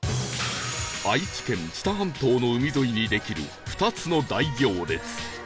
愛知県知多半島の海沿いにできる２つの大行列